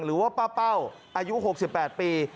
หรือว่าป้าเป้าอายุ๖๘ปี